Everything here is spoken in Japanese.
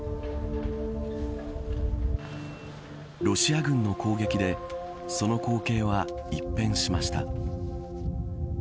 ロシア軍の攻撃でその光景は一変しました。